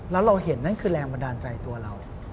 แล้วเราเห็นนั่นคือแรงบันดาลใจตัวเรา